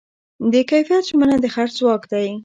د کیفیت ژمنه د خرڅ ځواک دی.